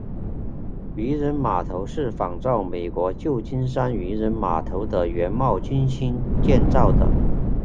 渔人码头是仿照美国旧金山渔人码头的原貌精心建造的。